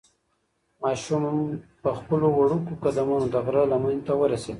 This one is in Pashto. ماشوم په خپلو وړوکو قدمونو د غره لمنې ته ورسېد.